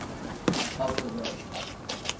A falta de.